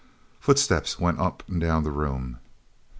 Footsteps went up and down the room.